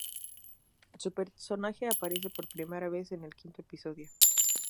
Su personaje aparece por primera vez en el quinto episodio.